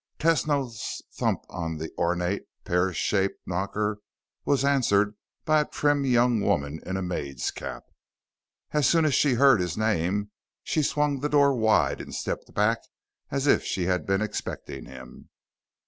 Tesno's thump of the ornate, pear shaped knocker was answered by a trim young woman in a maid's cap. As soon as she heard his name, she swung the door wide and stepped back as if she had been expecting him.